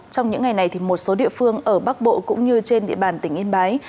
trong những ngày này một số địa phương ở bắc bộ cũng như trên địa bàn tỉnh yên bái